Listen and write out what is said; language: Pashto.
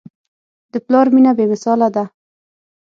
د پلار مینه بېمثاله ده.